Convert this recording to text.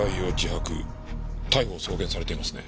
逮捕送検されていますね。